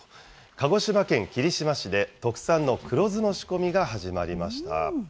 鹿児島県霧島市で、特産の黒酢の仕込みが始まりました。